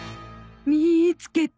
見つけた！